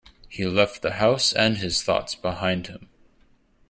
He left the house and his thoughts behind him.